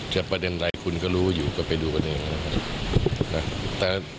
ประเด็นใดคุณก็รู้อยู่ก็ไปดูกันเองนะครับ